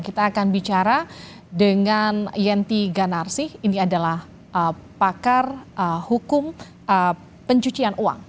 kita akan bicara dengan yenti ganarsih ini adalah pakar hukum pencucian uang